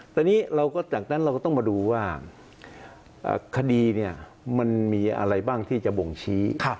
ตอนนี้จากนั้นเราก็ต้องมาดูว่าคดีเนี่ยมันมีอะไรบ้างที่จะบ่งชี้